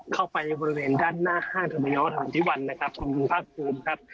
เข้าไปบริเวณด้านหน้าห้างธรรมยอถอนทิวันนะครับคุณภาคภูมิครับ